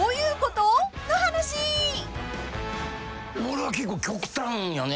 俺は結構極端やね。